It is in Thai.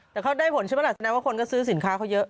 แต่เขาได้ผลใช่ไหมล่ะแสดงว่าคนก็ซื้อสินค้าเขาเยอะ